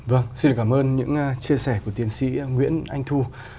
vâng xin cảm ơn những chia sẻ của tiến sĩ nguyễn anh thu